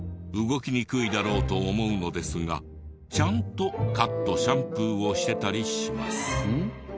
動きにくいだろうと思うのですがちゃんとカットシャンプーをしてたりします。